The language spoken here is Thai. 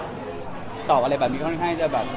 ก็จะตอกอะไรแบบนี้ก็ก็คลื่น